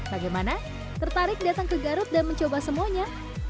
bagaimana tertarik datang ke garut dan mencoba semuanya